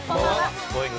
Ｇｏｉｎｇ！